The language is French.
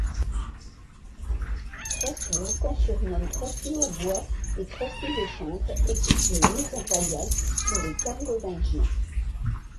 Trosly, qu’on surnomme Trosly-aux-Bois et Trosly-le-Chanvre, était une maison royale sous les Carlovingiens.